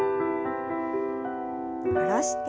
下ろして。